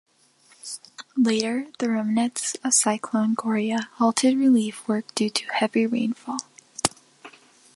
Later, the remnants of Cyclone Gloria halted relief work due to heavy rainfall.